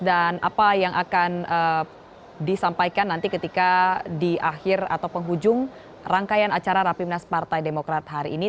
dan apa yang akan disampaikan nanti ketika di akhir atau penghujung rangkaian acara rapimnas partai demokrat hari ini